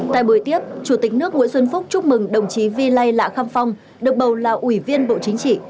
tại buổi tiếp chủ tịch nước nguyễn xuân phúc chúc mừng đồng chí vi lai lạ khăm phong được bầu là ủy viên bộ chính trị